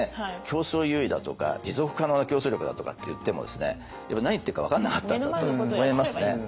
競争優位だとか持続可能な競争力だとかって言っても何言ってるか分からなかったんだと思いますね。